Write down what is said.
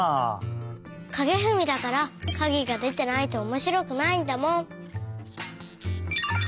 かげふみだからかげがでてないとおもしろくないんだもん！